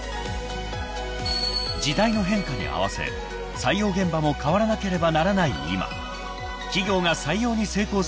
［時代の変化に合わせ採用現場も変わらなければならない今］